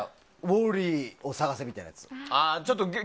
「ウォーリーを探せ」みたいなやつ。